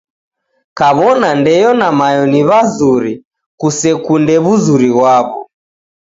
Kaw'ona ndeyo na mayo ni w'azuri kusekunde w'uzuri ghwaw'o.